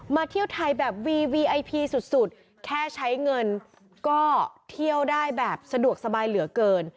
เที่ยวไทยแบบวีวีไอพีสุดแค่ใช้เงินก็เที่ยวได้แบบสะดวกสบายเหลือเกิน